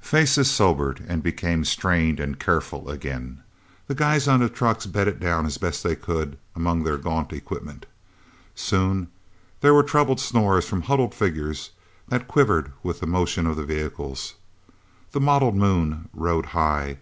Faces sobered, and became strained and careful, again. The guys on the trucks bedded down as best they could, among their gaunt equipment. Soon there were troubled snores from huddled figures that quivered with the motion of the vehicles. The mottled Moon rode high.